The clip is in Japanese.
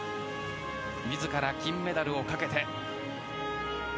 自ら金メダルをかけて。